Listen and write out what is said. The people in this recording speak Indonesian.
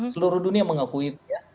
seluruh dunia mengakui